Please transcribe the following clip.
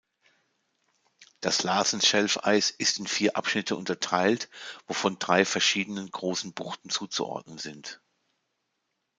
Das Larsen-Schelfeis ist in vier Abschnitte unterteilt, wovon drei verschiedenen großen Buchten zuzuordnen sind.